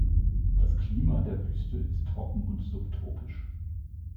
Das Klima der Wüste ist trocken und subtropisch.